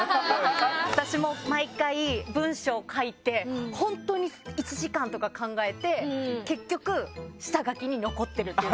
私も毎回、文章書いて本当に１時間とか考えて結局、下書きに残ってる。